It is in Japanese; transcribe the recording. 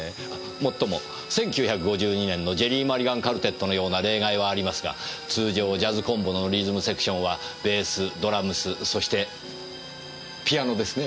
もっとも１９５２年のジェリー・マリガン・カルテットのような例外はありますが通常ジャズコンボのリズムセクションはベースドラムスそしてピアノですねぇ？